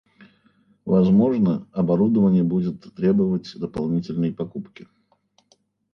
Возможно, оборудование будет требовать дополнительной покупки